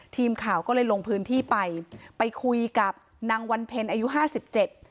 ทีมข่าวก็เลยลงพื้นที่ไปไปคุยกับนางวันเพ็ญอายุห้าสิบเจ็ด